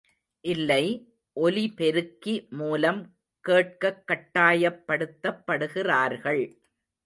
இல்லை, ஒலிபெருக்கி மூலம் கேட்கக் கட்டாயப்படுத்தப்படுகிறார்கள்.